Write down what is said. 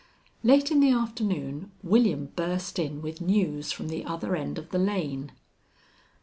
Late in the afternoon William burst in with news from the other end of the lane.